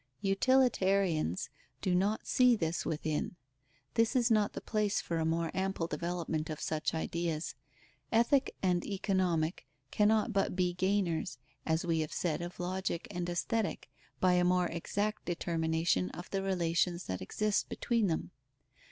Utilitarians do not see this within. This is not the place for a more ample development of such ideas. Ethic and Economic cannot but be gainers, as we have said of Logic and Aesthetic, by a more exact determination of the relations that exist between them.